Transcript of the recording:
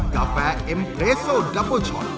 กาแฟเอ็มเรสโซนดับเบอร์ช็อต